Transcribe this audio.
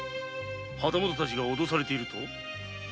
旗本たちが脅されていると。